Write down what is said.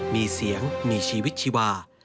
มีเสียงมีชีวิตชีวา